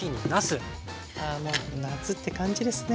あもう夏って感じですね。